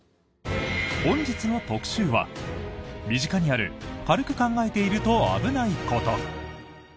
本日の特集は、身近にある軽く考えていると危ないこと。